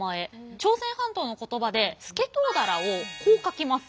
朝鮮半島の言葉ですけとうだらをこう書きます。